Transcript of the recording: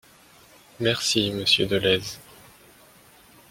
Merci, monsieur Dolez.